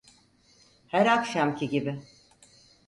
Her akşamki gibi…